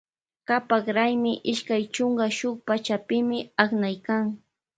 Kapak raymi ishkay chunka shuk pachapimi aknaykan.